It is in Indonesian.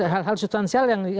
hal hal substansial yang